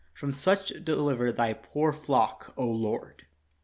From such deliver thy poor flock, O Lord